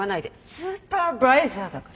スーパーバイザーだから。